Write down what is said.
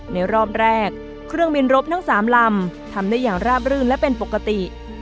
ในรอบแรกเครื่องบินรบทั้ง๓ลำทำได้อย่างราบรื่นและเป็นปกติ